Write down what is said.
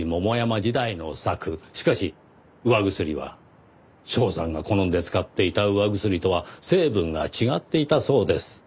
しかし釉薬は象仙が好んで使っていた釉薬とは成分が違っていたそうです。